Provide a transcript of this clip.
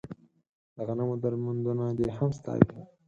د غنمو درمندونه دې هم ستا وي